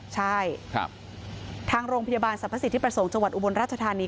ใช่ทางโรงพยาบาลสรรพสิทธิประสงค์จังหวัดอุบลราชธานี